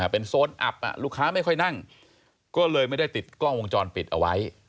เป็นโซนอับลูกค้าไม่ค่อยนั่งก็เลยไม่ได้ติดกล้องวงจรปิดเอาไว้